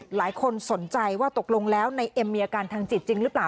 หลายคนสนใจว่าตกลงแล้วในเอ็มมีอาการทางจิตจริงหรือเปล่า